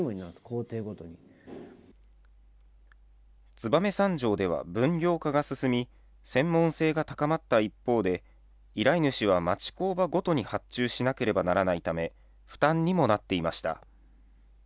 燕三条では分業化が進み、専門性が高まった一方で、依頼主は町工場ごとに発注しなければならないため、負担にもなっていました。